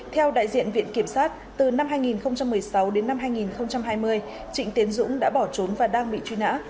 theo đại diện viện kiểm sát từ năm hai nghìn một mươi sáu đến năm hai nghìn hai mươi trịnh tiến dũng đã bỏ trốn và đang bị truy nã